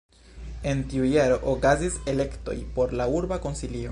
En tiu jaro okazis elektoj por la urba konsilio.